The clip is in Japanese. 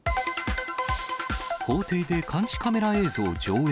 法廷で監視カメラ映像上映。